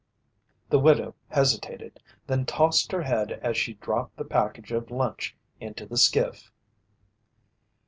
The widow hesitated, then tossed her head as she dropped the package of lunch into the skiff.